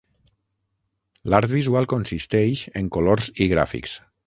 L'art visual consisteix en colors i gràfics.